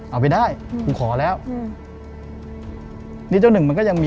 เอาไปได้